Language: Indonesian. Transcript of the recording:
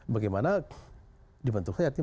bagaimana dibentukkan ya teman teman